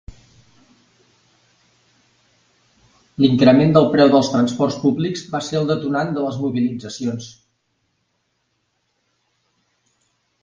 L'increment del preu dels transports públics va ser el detonant de les mobilitzacions.